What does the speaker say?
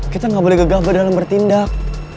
kita nggak boleh gegabah dalam bertindak